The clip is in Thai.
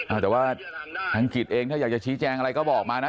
แต่ว่าทางกิจเองถ้าอยากจะชี้แจงอะไรก็บอกมานะ